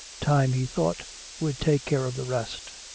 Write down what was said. Time, he thought, would take care of the rest.